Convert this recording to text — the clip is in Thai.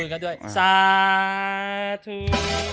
อื้อหือหือ